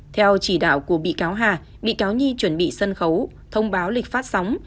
theo chỉ đạo của bị cáo hà bị cáo nhi chuẩn bị sân khấu thông báo lịch phát sóng